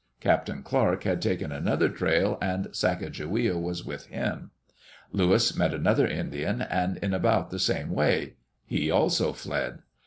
Captain Clark had taken another trail and Sacajawea was with him. Lewis met another Indian, and in about the same way. He also fled.